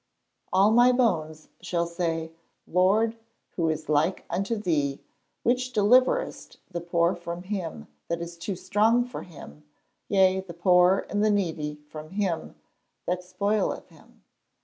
[Verse: "All my bones shall say, Lord, who is like unto thee, which deliverest the poor from him that is too strong for him, yea, the poor and the needy from him that spoileth him?"